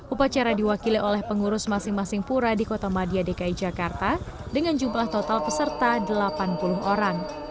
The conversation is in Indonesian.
upacara diwakili oleh pengurus masing masing pura di kota madia dki jakarta dengan jumlah total peserta delapan puluh orang